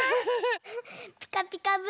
「ピカピカブ！」